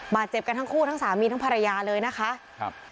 บาดเจ็บกันทั้งคู่ทั้งสามีทั้งภรรยาเลยนะคะครับ